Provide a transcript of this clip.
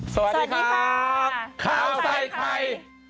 สวัสดีครับข้าวใส่ไข่